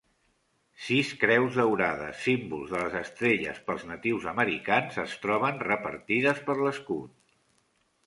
Sis creus daurades, símbols de les estrelles pels natius americans, es troben repartides per l'escut.